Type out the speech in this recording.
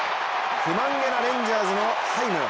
不満げなレンジャーズのハイム。